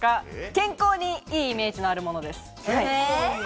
健康にいいイメージのあるものです。